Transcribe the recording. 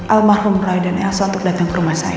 almahrum roy dan elso untuk datang ke rumah saya